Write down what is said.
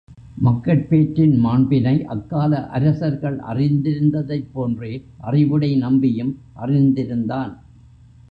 மக்கட் பேற்றின் மாண்பினை, அக்கால அரசர்கள் அறிந்திருந்ததைப் போன்றே, அறிவுடை நம்பியும் அறிந்திருந்தான்.